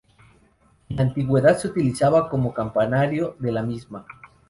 En la antigüedad se utilizaba como campanario de la misma.